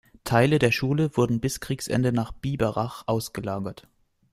Teile der Schule wurden bis Kriegsende nach Biberach ausgelagert.